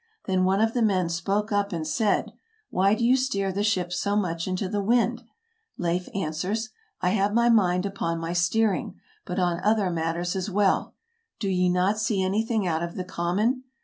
Then one of the men spoke up and said, "Why do you steer the ship so much into the wind ?" Leif an swers: "I have my mind upon my steering, but on other matters as well. Do ye not see anything out of the com mon